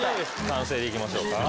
完成でいきましょうか。